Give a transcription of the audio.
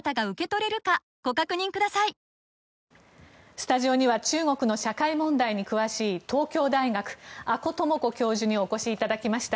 スタジオには中国の社会問題に詳しい東京大学、阿古智子教授にお越しいただきました。